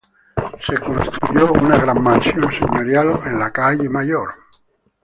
Se construyó una gran mansión señorial en la calle Mayor.